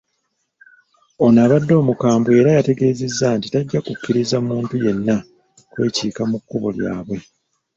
Ono abadde omukambwe era yategeezezza nti tajja kukkiriza muntu yenna kwekiika mu kkubo lyabwe.